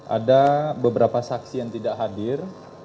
ada beberapa saksi yang tidak hadir